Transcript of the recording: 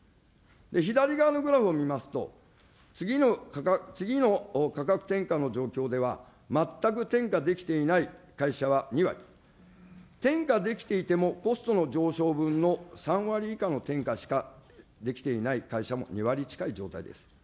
左側のグラフを見ますと、次の価格転嫁の状況では、全く転嫁できていない会社は２割、転嫁できていてもコストの上昇分の３割以下の転嫁しかできていない会社も２割近い状態です。